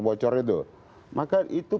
bocor itu maka itu